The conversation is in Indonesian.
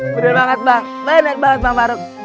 bener banget bang bener banget bang farug